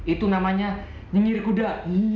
itu namanya nyengir kuda